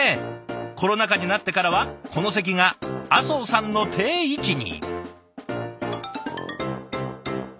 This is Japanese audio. コロナ禍になってからはこの席が阿相さんの定位置に。